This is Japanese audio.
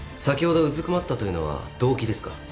先ほどうずくまったというのはどうきですか？